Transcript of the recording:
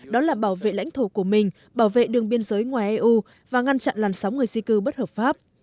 đó là bảo vệ lãnh thổ của mình bảo vệ đường biên giới ngoài eu và ngăn chặn làn sóng người di cư bất hợp pháp